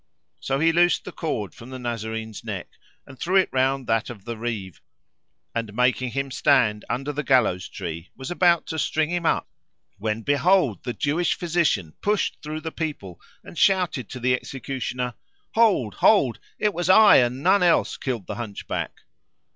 So he loosed the cord from the Nazarene's neck and threw it round that of the Reeve and, making him stand under the gallows tree, was about to string him up when behold, the Jewish physician pushed through the people and shouted to the executioner, "Hold! Hold! It was I and none else killed the Hunchback!